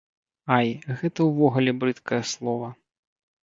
Ай, гэта ўвогуле брыдкае слова.